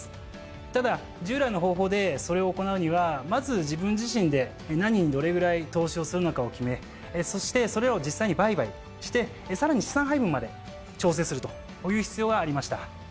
ただ従来の方法でそれを行うにはまず自分自身で何にどれぐらい投資をするのかを決めそしてそれを実際に売買してさらに資産配分まで調整するという必要がありました。